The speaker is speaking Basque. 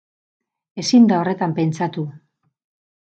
Ezin da horretan pentsatu!